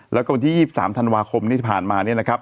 แล้วก็วันที่๒๓ธันวาคมที่ผ่านมาเนี่ยนะครับ